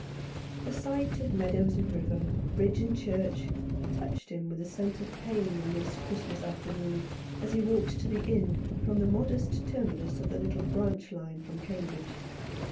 The sight of meadows and river, bridge and church, touched him with a sense of pain on this Christmas afternoon, as he walked to the inn, from the modest terminus of a little branch line from Cambridge.